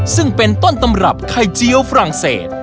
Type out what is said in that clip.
ซึ่งเป็นต้นตำรับไข่เจี๊ยวฝรั่งเศส